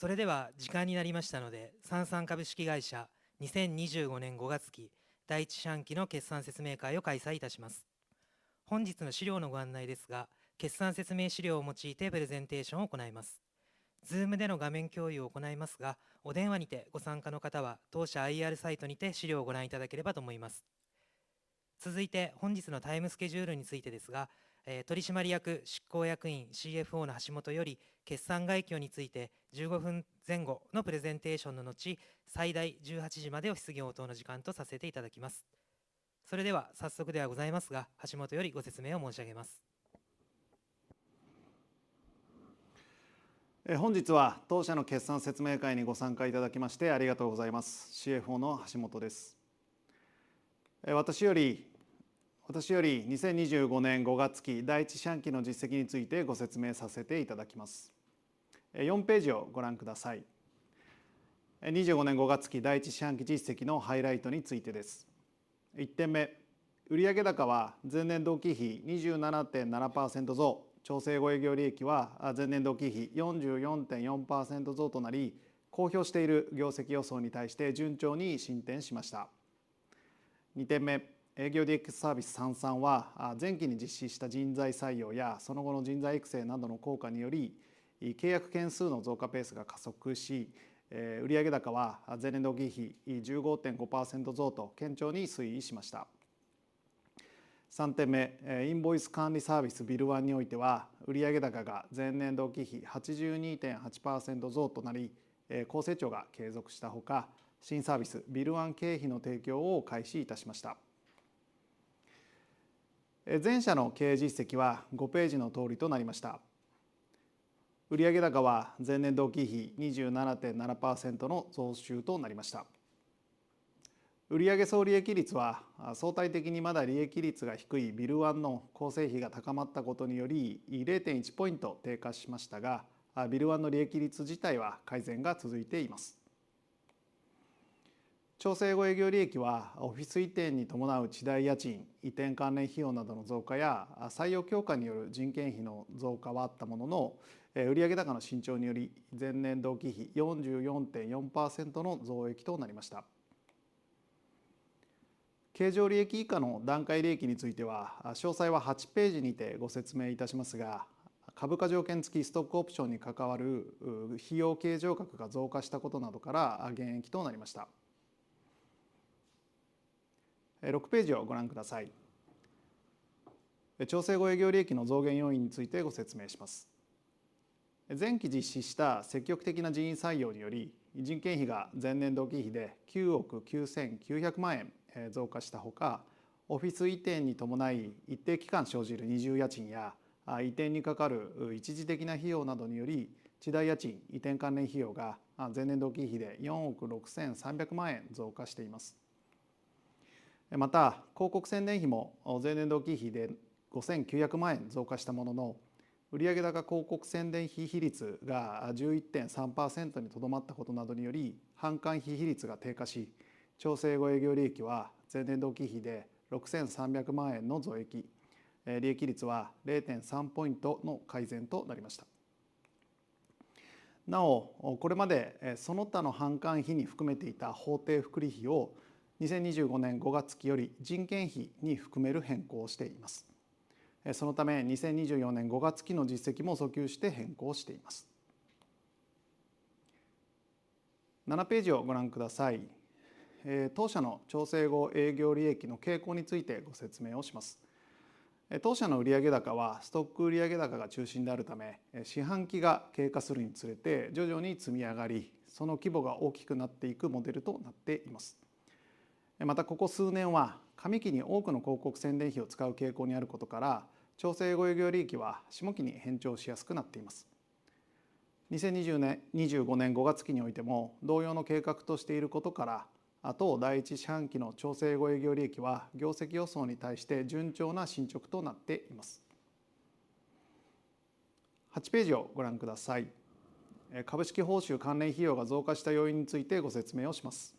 それでは時間になりましたので、サンサン株式会社2025年5月期第1四半期の決算説明会を開催いたします。本日の資料のご案内ですが、決算説明資料を用いてプレゼンテーションを行います。ZOOM での画面共有を行いますが、お電話にてご参加の方は当社 IR サイトにて資料をご覧いただければと思います。続いて、本日のタイムスケジュールについてですが、取締役執行役員 CFO の橋本より決算概況について15分前後のプレゼンテーションの後、最大18時までお質疑応答の時間とさせていただきます。それでは早速ではございますが、橋本よりご説明を申し上げます。本日は当社の決算説明会にご参加いただきましてありがとうございます。CFO の橋本です。私より2025年5月期第1四半期の実績についてご説明させていただきます。4ページをご覧ください。25年5月期第1四半期実績のハイライトについてです。1点目、売上高は前年同期比 27.7% 増、調整後営業利益は前年同期比 44.4% 増となり、公表している業績予想に対して順調に進展しました。2点目、営業 DX サービスサンサンは、前期に実施した人材採用やその後の人材育成などの効果により、契約件数の増加ペースが加速し、売上高は前年同期比 15.5% 増と堅調に推移しました。3点目、インボイス管理サービス BILLONE においては、売上高が前年同期比 82.8% 増となり、高成長が継続したほか、新サービス BILLONE 経費の提供を開始いたしました。全社の経営実績は5ページの通りとなりました。売上高は前年同期比 27.7% の増収となりました。売上総利益率は相対的にまだ利益率が低い BILLONE の構成比が高まったことにより、0.1 ポイント低下しましたが、BILLONE の利益率自体は改善が続いています。調整後営業利益は、オフィス移転に伴う地代、家賃、移転関連費用などの増加や採用強化による人件費の増加はあったものの、売上高の伸長により前年同期比 44.4% の増益となりました。経常利益以下の段階利益については、詳細は8ページにてご説明いたしますが、株価条件付きストックオプションに関わる費用計上額が増加したことなどから減益となりました。6ページをご覧ください。調整後営業利益の増減要因についてご説明します。前期実施した積極的な人員採用により、人件費が前年同期比で9億 9,900 万円増加したほか、オフィス移転に伴い一定期間生じる二重家賃や移転にかかる一時的な費用などにより、地代、家賃、移転関連費用が前年同期比で4億 6,300 万円増加しています。また、広告宣伝費も前年同期比で 5,900 万円増加したものの、売上高、広告宣伝費比率が 11.3% にとどまったことなどにより、販管費比率が低下し、調整後営業利益は前年同期比で 6,300 万円の増益、利益率は 0.3 ポイントの改善となりました。なお、これまでその他の販管費に含めていた法定福利費を2025年5月期より人件費に含める変更をしています。そのため、2024年5月期の実績も遡及して変更しています。7ページをご覧ください。当社の調整後営業利益の傾向についてご説明をします。当社の売上高はストック売上高が中心であるため、四半期が経過するにつれて徐々に積み上がり、その規模が大きくなっていくモデルとなっています。また、ここ数年は上期に多くの広告宣伝費を使う傾向にあることから、調整後営業利益は下期に偏重しやすくなっています。2025年5月期においても同様の計画としていることから、当第1四半期の調整後営業利益は業績予想に対して順調な進捗となっています。8ページをご覧ください。株式報酬関連費用が増加した要因についてご説明をします。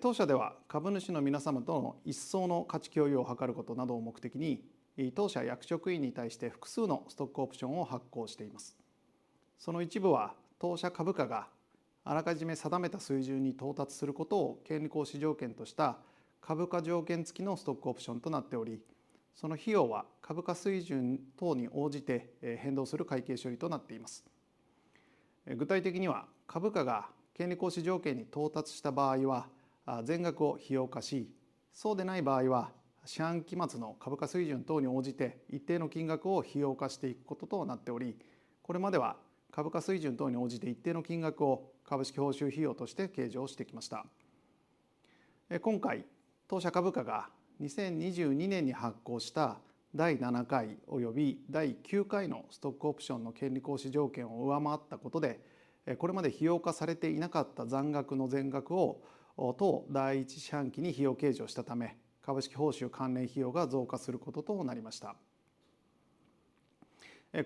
当社では、株主の皆様との一層の価値共有を図ることなどを目的に、当社役職員に対して複数のストックオプションを発行しています。その一部は、当社株価があらかじめ定めた水準に到達することを権利行使条件とした株価条件付きのストックオプションとなっており、その費用は株価水準等に応じて変動する会計処理となっています。具体的には、株価が権利行使条件に到達した場合は全額を費用化し、そうでない場合は四半期末の株価水準等に応じて一定の金額を費用化していくこととなっており、これまでは株価水準等に応じて一定の金額を株式報酬費用として計上してきました。今回、当社株価が2022年に発行した第7回および第9回のストックオプションの権利行使条件を上回ったことで、これまで費用化されていなかった残額の全額を当第1四半期に費用計上したため、株式報酬関連費用が増加することとなりました。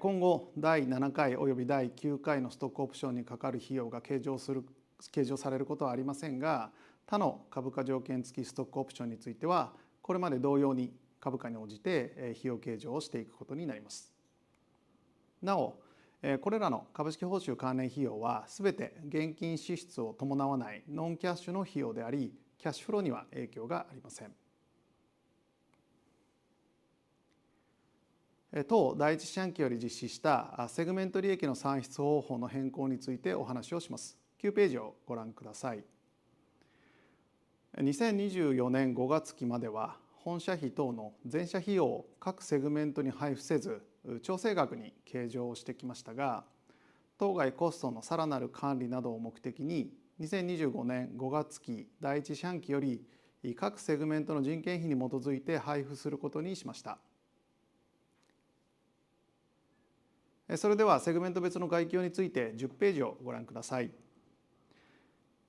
今後、第7回および第9回のストックオプションにかかる費用が計上されることはありませんが、他の株価条件付きストックオプションについては、これまで同様に株価に応じて費用計上をしていくことになります。なお、これらの株式報酬関連費用はすべて現金支出を伴わないノンキャッシュの費用であり、キャッシュフローには影響がありません。第1四半期より実施したセグメント利益の算出方法の変更についてお話をします。9ページをご覧ください。2024年5月期までは、本社費等の全社費用を各セグメントに配付せず、調整額に計上してきましたが、当該コストのさらなる管理などを目的に、2025年5月期第1四半期より各セグメントの人件費に基づいて配付することにしました。それでは、セグメント別の概況について10ページをご覧ください。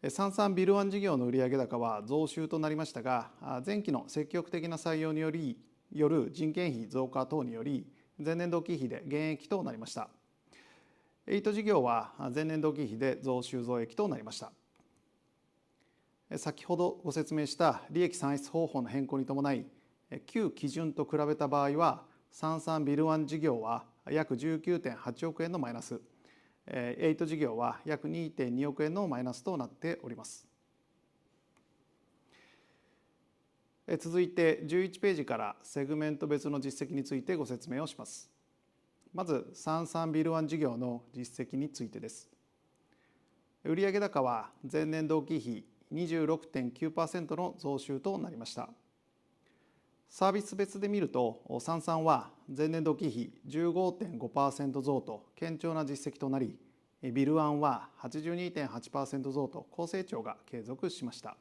サンサンビルワン事業の売上高は増収となりましたが、前期の積極的な採用による人件費増加等により前年同期比で減益となりました。エイト事業は前年同期比で増収増益となりました。先ほどご説明した利益算出方法の変更に伴い、旧基準と比べた場合は、サンサンビルワン事業は約 ¥19.8 億のマイナス、エイト事業は約 ¥2.2 億のマイナスとなっております。続いて、11ページからセグメント別の実績についてご説明をします。まず、サンサンビルワン事業の実績についてです。売上高は前年同期比 26.9% の増収となりました。サービス別で見ると、サンサンは前年同期比 15.5% 増と堅調な実績となり、ビルワンは 82.8% 増と好成長が継続しました。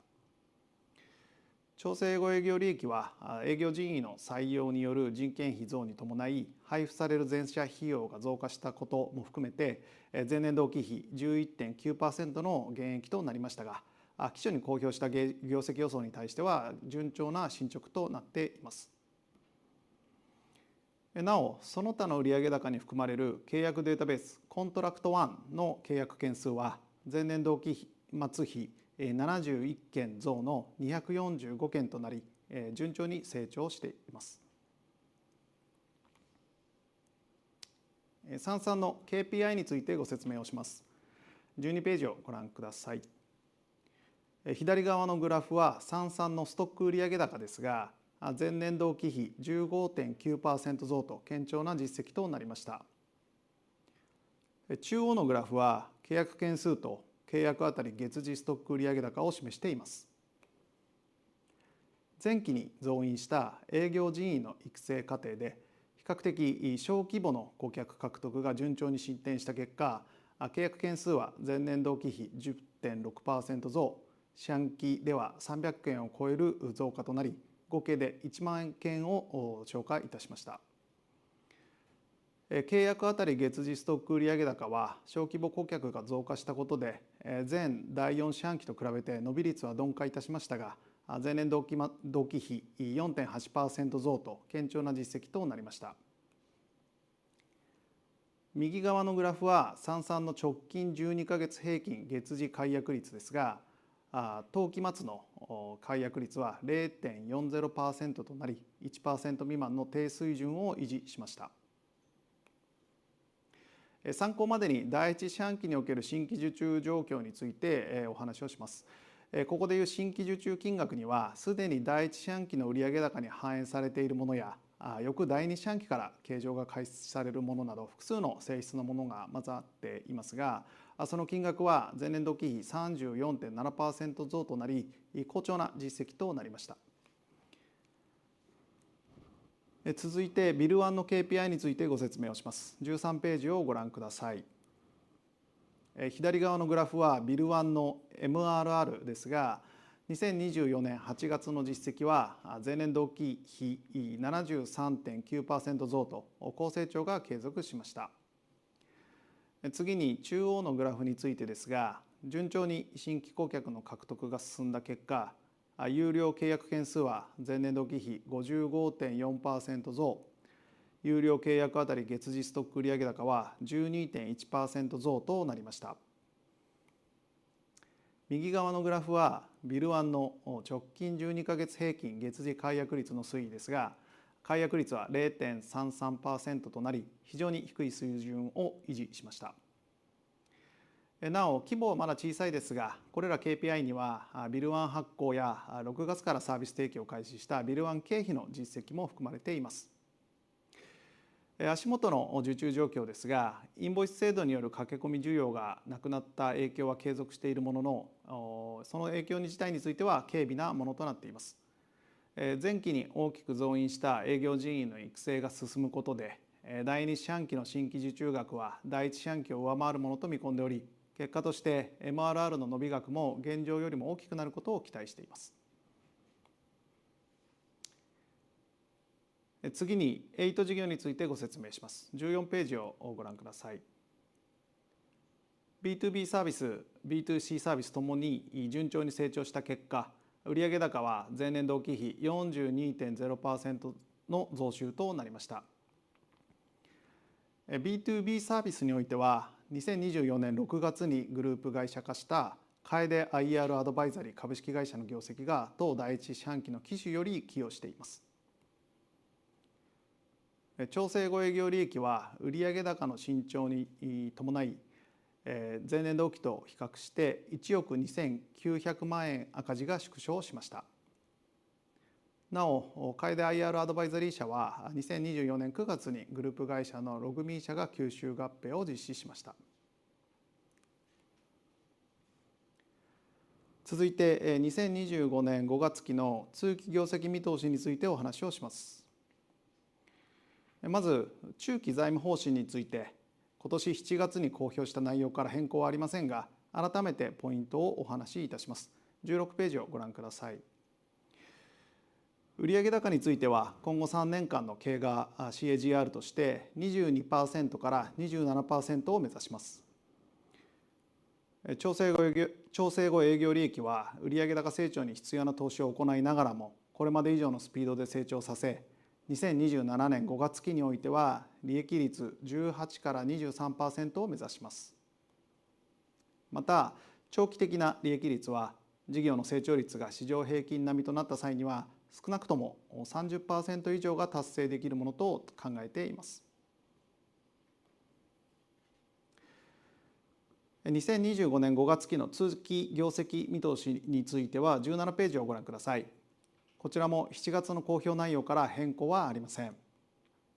調整後営業利益は、営業人員の採用による人件費増に伴い、配付される全社費用が増加したことも含めて、前年同期比 11.9% の減益となりましたが、期初に公表した業績予想に対しては順調な進捗となっています。なお、その他の売上高に含まれる契約データベースコントラクトワンの契約件数は、前年同期末比71件増の245件となり、順調に成長しています。サンサンの KPI についてご説明をします。12ページをご覧ください。左側のグラフはサンサンのストック売上高ですが、前年同期比 15.9% 増と堅調な実績となりました。中央のグラフは、契約件数と契約あたり月次ストック売上高を示しています。前期に増員した営業人員の育成過程で、比較的小規模の顧客獲得が順調に進展した結果、契約件数は前年同期比 10.6% 増、四半期では300件を超える増加となり、合計で1万件をご紹介いたしました。契約あたり月次ストック売上高は、小規模顧客が増加したことで、前第4四半期と比べて伸び率は鈍化いたしましたが、前年同期比 4.8% 増と堅調な実績となりました。右側のグラフはサンサンの直近12ヶ月平均月次解約率ですが、当期末の解約率は 0.40% となり、1% 未満の低水準を維持しました。参考までに、第1四半期における新規受注状況についてお話をします。ここでいう新規受注金額には、すでに第1四半期の売上高に反映されているものや、翌第2四半期から計上が開始されるものなど、複数の性質のものが混ざっていますが、その金額は前年同期比 34.7% 増となり、好調な実績となりました。続いて、ビルワンの KPI についてご説明をします。13ページをご覧ください。左側のグラフはビルワンの MRR ですが、2024年8月の実績は前年同期比 73.9% 増と好成長が継続しました。次に中央のグラフについてですが、順調に新規顧客の獲得が進んだ結果、有料契約件数は前年同期比 55.4% 増、有料契約あたり月次ストック売上高は 12.1% 増となりました。右側のグラフは、ビルワンの直近12ヶ月平均月次解約率の推移ですが、解約率は 0.33% となり、非常に低い水準を維持しました。なお、規模はまだ小さいですが、これら KPI にはビルワン発行や6月からサービス提供を開始したビルワン経費の実績も含まれています。足元の受注状況ですが、インボイス制度による駆け込み需要がなくなった影響は継続しているものの、その影響自体については軽微なものとなっています。前期に大きく増員した営業人員の育成が進むことで、第2四半期の新規受注額は第1四半期を上回るものと見込んでおり、結果として MRR の伸び額も現状よりも大きくなることを期待しています。次に、エイト事業についてご説明します。14ページをご覧ください。BTOB サービス、BTOC サービスともに順調に成長した結果、売上高は前年同期比 42.0% の増収となりました。BTOB サービスにおいては、2024年6月にグループ会社化したカエデ IR アドバイザリー株式会社の業績が当第1四半期の期首より寄与しています。調整後、営業利益は売上高の伸長に伴い、前年同期と比較して1億2900万円赤字が縮小しました。なお、カエデ IR アドバイザリー社は、2024年9月にグループ会社のログミー社が吸収合併を実施しました。続いて、2025年5月期の通期業績見通しについてお話をします。まず、中期財務方針について、今年7月に公表した内容から変更はありませんが、改めてポイントをお話しいたします。16ページをご覧ください。売上高については、今後3年間の経過 CAGR として 22% から 27% を目指します。調整後営業利益は売上高成長に必要な投資を行いながらも、これまで以上のスピードで成長させ、2027年5月期においては利益率 18% から 23% を目指します。また、長期的な利益率は、事業の成長率が市場平均並みとなった際には、少なくとも 30% 以上が達成できるものと考えています。2025年5月期の通期業績見通しについては17ページをご覧ください。こちらも7月の公表内容から変更はありません。